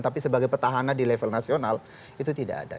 tapi sebagai petahana di level nasional itu tidak ada